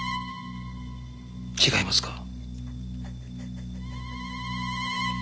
違いますか？